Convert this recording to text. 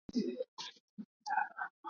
Dalili muhimu za ugonjwa wa ndui